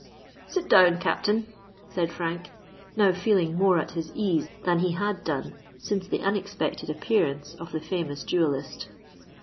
"Sit down, Captain," said Frank, now feeling more at his ease than he had done since the unexpected appearance of the famous duellist.